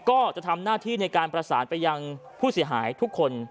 ก็จะทำหน้าที่ในการประสานไปยังผู้เสียหายทุกคน